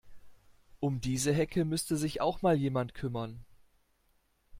Um diese Hecke müsste sich auch mal jemand kümmern.